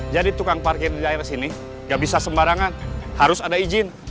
jadi tukang parkir di daerah sini gak bisa sembarangan harus ada izin